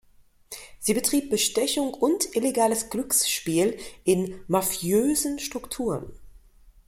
Sie betrieb Bestechung und illegales Glücksspiel in „mafiösen Strukturen“.